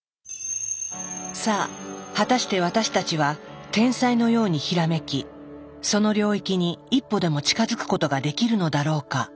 さあ果たして私たちは天才のようにひらめきその領域に一歩でも近づくことができるのだろうか？